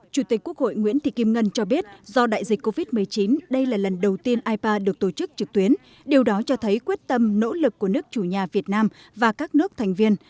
chủ tịch quốc hội nguyễn thị kim ngân cho biết do đại dịch covid một mươi chín đây là lần đầu tiên ipa được tổ chức trực tuyến điều đó cho thấy quyết tâm nỗ lực của nước chủ nhà việt nam và các nước thành viên